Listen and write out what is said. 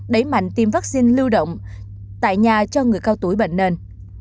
đẩy mạnh tiêm vaccine lưu động tại nhà cho người cao tuổi bệnh nền